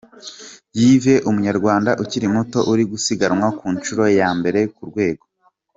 Yves umunyarwanda ukiri muto uri gusiganwa ku nshuro ye ya mbere ku rwego